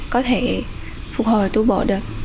có thể phục hồi tu bổ được